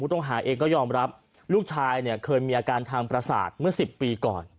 ต้องหาเองก็ยอมรับลูกชายเนี่ยเคยมีอาการทางประสาทเมื่อ๑๐ปีก่อน